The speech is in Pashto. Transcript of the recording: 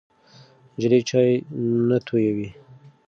نجلۍ چای نه تویوي.